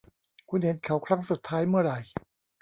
คุณเห็นเขาครั้งสุดท้ายเมื่อไหร่